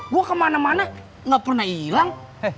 gue kemana mana gak pernah hilang